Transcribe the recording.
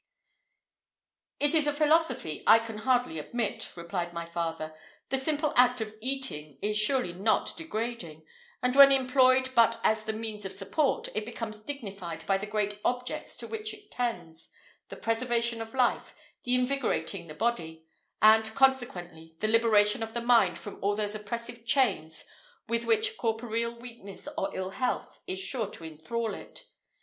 "It is a philosophy I can hardly admit," replied my father; "the simple act of eating is surely not degrading, and, when employed but as the means of support, it becomes dignified by the great objects to which it tends the preservation of life, the invigorating the body, and, consequently, the liberation of the mind from all those oppressive chains with which corporeal weakness or ill health is sure to enthral it.